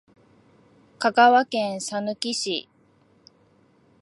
香川県さぬき市